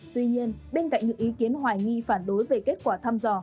tuy nhiên bên cạnh những ý kiến hoài nghi phản đối về kết quả thăm dò